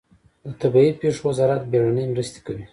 د طبیعي پیښو وزارت بیړنۍ مرستې کوي